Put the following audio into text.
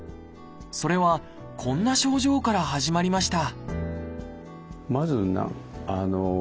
それはこんな症状から始まりました